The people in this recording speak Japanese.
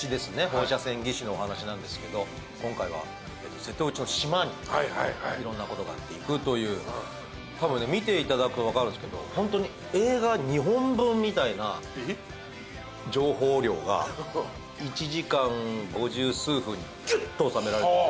放射線技師のお話なんですけど今回は瀬戸内の島にいろんなことがあって行くというたぶん見ていただくと分かるんですけどホントに映画２本分みたいな情報量が１時間５０数分にギュッと収められてて。